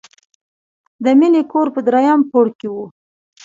د مینې کور په دریم پوړ کې و